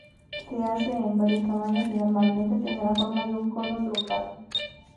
Se hace en varios tamaños y normalmente tiene la forma de un cono truncado.